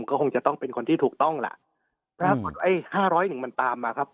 ก็คงจะต้องเป็นคนที่ถูกต้องล่ะปรากฏไอ้ห้าร้อยหนึ่งมันตามมาครับ